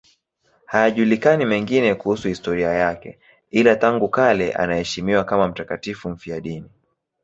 Hayajulikani mengine kuhusu historia yake, ila tangu kale anaheshimiwa kama mtakatifu mfiadini.